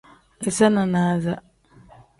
Iza nanasa.